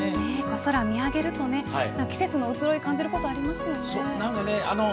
空を見上げると季節の移ろいを感じることありますよね。